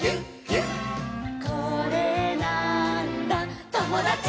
「これなーんだ『ともだち！』」